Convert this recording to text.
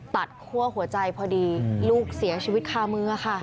คั่วหัวใจพอดีลูกเสียชีวิตคามือค่ะ